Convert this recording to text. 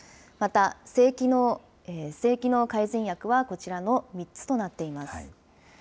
また性機能改善薬はこちらの３つとなっています。